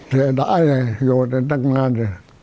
เสียดายโดยที่นางนาน